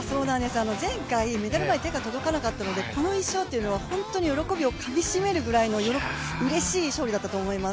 前回、メダルまで手が届かなかったのでこの１勝というのは本当に喜びをかみしめるぐらいのうれしい勝利だったと思います。